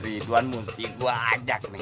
ridwan mesti gua ajak nenek